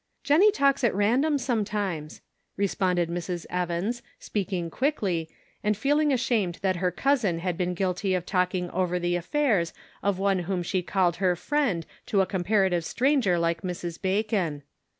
" Jennie talks at random sometimes," re sponded Mrs. Evans, speaking quickly, and feeling ashamed that her cousin had been guilty of talking over the affairs of one whom she called her friend to a comparative stranger like Mrs. Bacon.